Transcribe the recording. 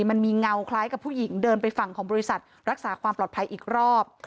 มันมีเงาคล้ายกับผู้หญิงเดินไปฝั่งของบริษัทรักษาความปลอดภัยอีกรอบ